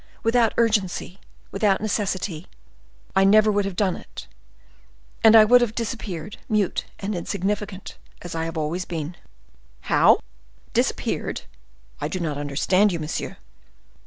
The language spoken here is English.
Without urgency, without necessity, I never would have done it, and I would have disappeared, mute and insignificant as I always have been." "How! Disappeared! I do not understand you, monsieur."